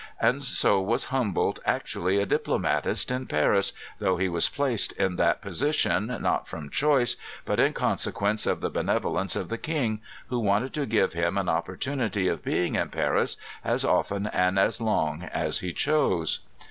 And so was Humboldt actually a diplomatist in Paris though he was placed in that position, not from choice, but in consequence of the benevolence of the King, who wanted to give him an opportunity of being in Paris as often and as long as he chose.